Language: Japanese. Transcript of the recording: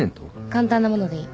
簡単なものでいい。